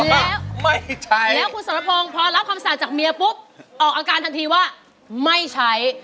แล้วไม่ใช่แล้วคุณสรพงศ์พอรับคำสั่งจากเมียปุ๊บออกอาการทันทีว่าไม่ใช้